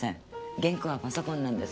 原稿はパソコンなんです。